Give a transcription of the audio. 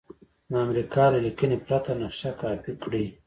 د امریکا له لیکنې پرته نقشه کاپي کړئ.